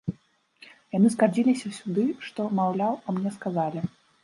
Яны скардзіліся сюды, што, маўляў, а мне сказалі.